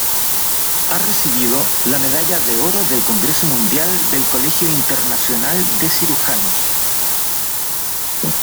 Ha recibido la medalla de oro del Congreso Mundial del Colegio Internacional de Cirujanos.